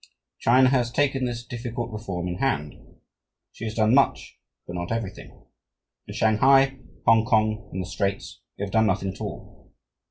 China has taken this difficult reform in hand. She has done much, but not everything. In Shanghai, Hongkong, and the Straits, we have done nothing at all.